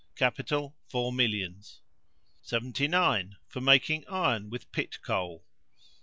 Capital, four millions. 79. For making iron with pit coal.